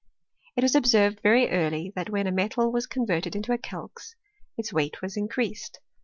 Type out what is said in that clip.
It was observed very early that when a metal was converted into a calx its weight was increased.